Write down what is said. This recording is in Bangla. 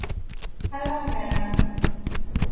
Hello, ma'am.